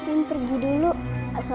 saya pagi dulu ya